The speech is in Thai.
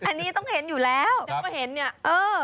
อันนี้ต้องเห็นอยู่แล้วฉันก็เห็นเนี่ยเออ